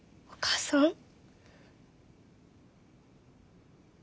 お母さん。